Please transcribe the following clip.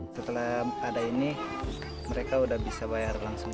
setelah ada ini mereka sudah bisa bayar langsung